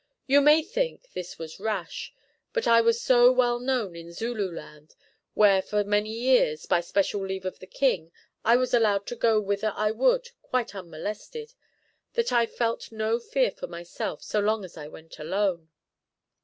You may think this was rash, but I was so well known in Zululand, where for many years, by special leave of the king, I was allowed to go whither I would quite unmolested, that I felt no fear for myself so long as I went alone.